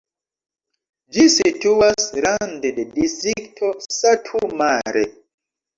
Ĝi situas rande de distrikto Satu Mare.